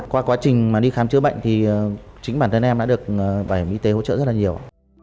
qua quá trình mà đi khám chữa bệnh thì chính bản thân em đã được bảo hiểm y tế hỗ trợ rất là nhiều